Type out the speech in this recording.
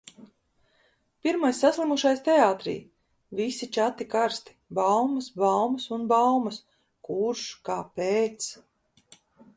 Pirmais saslimušais teātrī! Visi čati karsti – baumas, baumas un baumas. Kurš? Kāpēc?